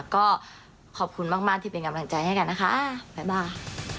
ก็ขอบคุณมากที่เป็นกำลังใจให้กันนะคะไปบ้า